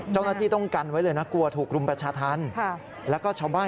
เจ้าหน้าที่ต้องกันไว้เลยนะกลัวถูกรุมประชาธรรมแล้วก็ชาวบ้าน